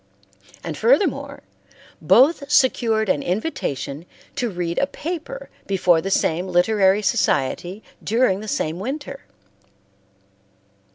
And furthermore, both secured an invitation to read a paper before the same literary society during the same winter.